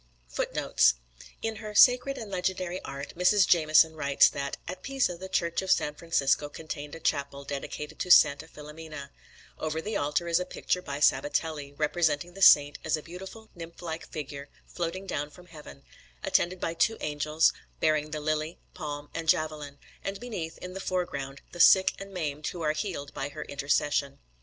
FOOTNOTES: [C] In her "Sacred and Legendary Art," Mrs. Jamieson writes that "at Pisa the Church of San Francesco contained a chapel dedicated to Santa Filomena; over the altar is a picture by Sabatelli, representing the saint as a beautiful nymph like figure floating down from heaven, attended by two angels, bearing the lily, palm, and javelin, and beneath, in the foreground, the sick and maimed who are healed by her intercession."